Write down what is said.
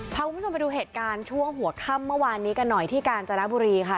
พาคุณผู้ชมไปดูเหตุการณ์ช่วงหัวค่ำเมื่อวานนี้กันหน่อยที่กาญจนบุรีค่ะ